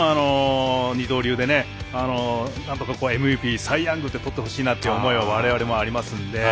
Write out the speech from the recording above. もちろん、二刀流でなんとか、ＭＶＰサイ・ヤングでとってほしいなという思いは我々にもありますので。